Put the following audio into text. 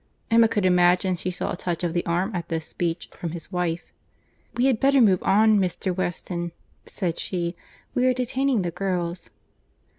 Emma could imagine she saw a touch of the arm at this speech, from his wife. "We had better move on, Mr. Weston," said she, "we are detaining the girls."